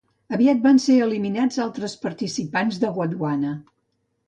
Aviat van ser eliminats altres principats de Gondwana.